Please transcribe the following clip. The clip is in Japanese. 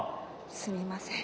すみません。